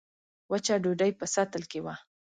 وچه ډوډۍ په سطل کې وه.